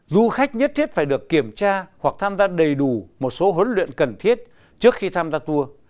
du khách nhất thiết phải được kiểm tra hoặc tham gia đầy đủ một số huấn luyện cần thiết trước khi tham gia tour